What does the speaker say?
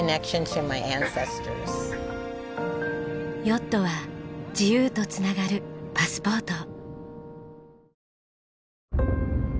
ヨットは自由とつながるパスポート。